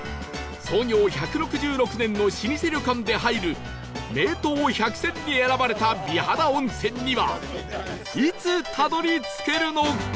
創業１６６年の老舗旅館で入る名湯百選に選ばれた美肌温泉にはいつたどり着けるのか？